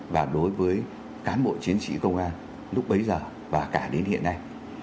và đối với cán bộ chiến sĩ công an lúc bấy giờ và cả đến hiện nay